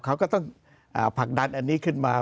เขาก็ต้องผลักดันอันนี้ขึ้นมา